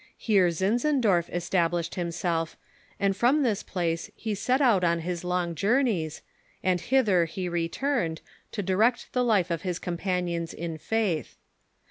Here Zinzendorf established himself, and from this place he set out on his long journeys, and hither he returned, to direct the life of his companions in faith.